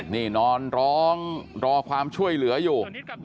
นี่นอนร้องรอความช่วยเหลืออยู่